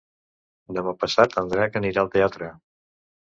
Demà passat en Drac anirà al teatre.